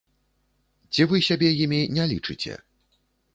Ці вы сябе імі не лічыце?